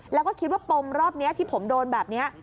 แล้วก็คิดว่าปมรอบนี้ที่ผมโดนแบบนี้